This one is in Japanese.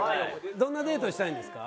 どんなデートしたいんですか？